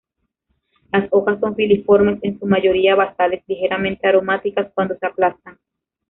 Las hojas son filiformes, en su mayoría basales, ligeramente aromáticas cuando se aplastan.